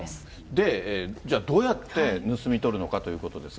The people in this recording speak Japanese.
で、じゃあ、どうやって盗み取るのかということですが。